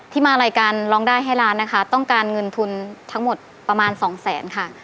มารายการร้องได้ให้ล้านนะคะต้องการเงินทุนทั้งหมดประมาณสองแสนค่ะ